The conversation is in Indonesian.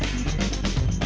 aku mau lihat